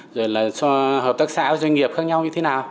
rồi là cho hợp tác xã doanh nghiệp khác nhau như thế nào